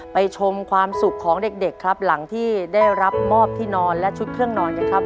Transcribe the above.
ชมความสุขของเด็กครับหลังที่ได้รับมอบที่นอนและชุดเครื่องนอนกันครับ